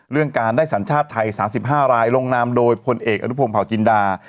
เรื่องการได้สัญชาติไทย๓๕รายลงนามโดยพลเอกอนุพงศาวจินดา